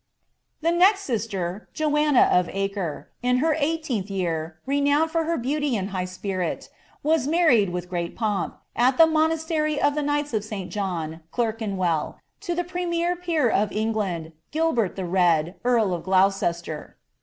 The next sister, Joanna of Acre, in her eighteenth year, renownea fiir hrr beauty and high spirit, was married, with great pomp, at ihtr niunaiieiy of the Knigfata of St. John, Clerkenwell, to the premier poor' '^ England, Gilbert the Red, earl of Gloucester.